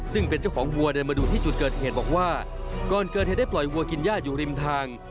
ซึ่งเป็นเจ้าของวัวเดินมาดูที่จุดเกิดเหตุบอกว่าก่อนเกิดเหตุได้ปล่อยวัวกินย่าอยู่ริมทาง